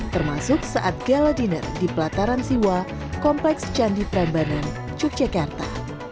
termasuk saat gala dinner di pelataran siwa kompleks candi prambanan yogyakarta